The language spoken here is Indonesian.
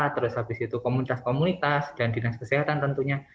terus habis itu komunitas komunitas dan dinas kesehatan tentunya